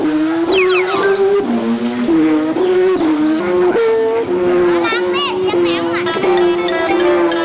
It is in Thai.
เราหลางเล่นเลี้ยงแหงว่ะ